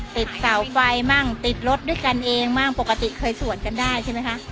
เสาไฟมั่งติดรถด้วยกันเองบ้างปกติเคยสวดกันได้ใช่ไหมคะ